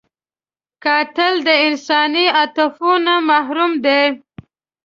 قاتل د انساني عاطفو نه محروم دی